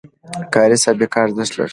کاري سابقه ارزښت لري